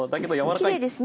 きれいですね。